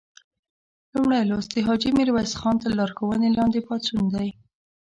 لومړی لوست د حاجي میرویس خان تر لارښوونې لاندې پاڅون دی.